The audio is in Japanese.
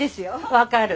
分かる。